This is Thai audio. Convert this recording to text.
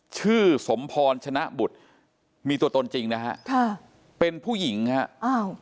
ชื่อสมพรฉนะบุตรมีตัวตนจริงนะครับเป็นผู้หญิงครับ